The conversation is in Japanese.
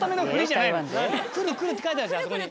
「来る来る」って書いてあるでしょあそこに。